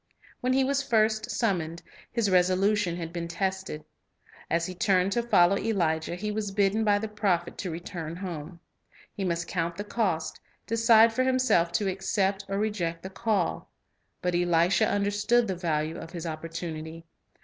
When he was first summoned, his resolution had been tested. As he turned to follow Elijah, he was singleness bidden by the prophet to return home. He must count ° Purpose the cost, — decide for himself to accept or reject the call. But Elisha understood the value of his op portunity.